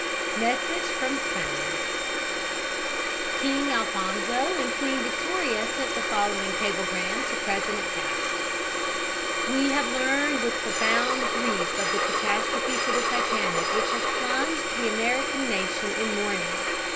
MESSAGE PROM SPAIN King Alfonso and Queen Victoria sent the following cablegram to President Taft: "We have learned with profound grief of the catastrophe to the Titanic, which has plunged the American nation in mourning.